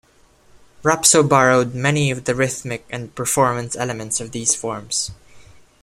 Rapso borrowed many of the rhythmic and performance elements of these forms.